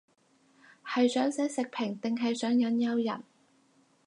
係想寫食評定係想引誘人